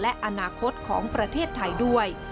และอนาคตของประเทศไทยด้วย